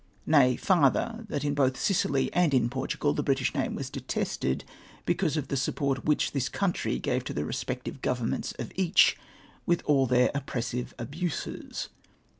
Nay, farther, that both in Sicily and in Portugal the British name v/as detested, because of the support which this country gave to the respective governments of each with all their oppressive abuses.